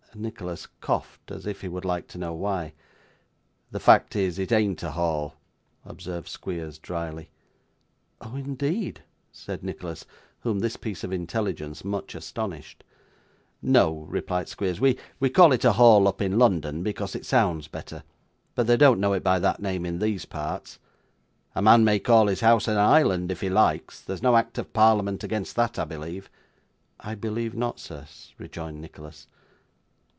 Nicholas coughed, as if he would like to know why. 'The fact is, it ain't a Hall,' observed Squeers drily. 'Oh, indeed!' said Nicholas, whom this piece of intelligence much astonished. 'No,' replied Squeers. 'We call it a Hall up in London, because it sounds better, but they don't know it by that name in these parts. A man may call his house an island if he likes; there's no act of Parliament against that, I believe?' 'I believe not, sir,' rejoined Nicholas.